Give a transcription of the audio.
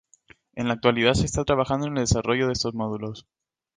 En la actualidad se está trabajando en el desarrollo de estos módulos.